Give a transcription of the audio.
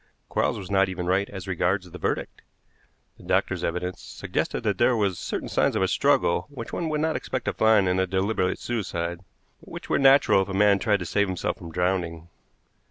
Quarles was not even right as regards the verdict. The doctor's evidence suggested that there were certain signs of a struggle which one would not expect to find in a deliberate suicide, but which were natural if a man tried to save himself from drowning.